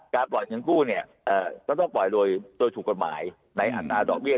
การปล่อยเงินกู้ปล่องปล่อยโดยถูกกฎหมายในอันนาดอกเบี้ย